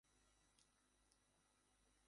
জিন বলে যে এটি অস্তিত্বের নিয়মের বিপরীত কিছু।